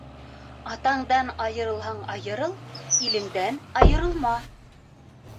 Атаңдан айырылһаң айырыл, илеңдән айырылма.